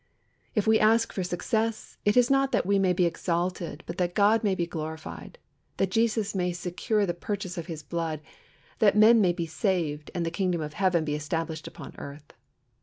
If we ask for success, it is not that we may be exalted, but that God may be glorified; that Jesus may secure the purchase of His blood; that men may be saved, and the Kingdom of Heaven be established upon earth.